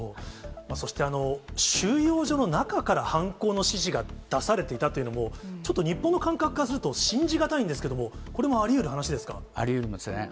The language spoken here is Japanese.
そして収容所の中から犯行の指示が出されていたというのも、ちょっと日本の感覚からすると、信じ難いんですけれども、ありえますね。